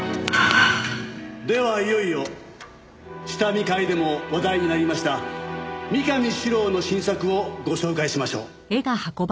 ではいよいよ下見会でも話題になりました三上史郎の新作をご紹介しましょう。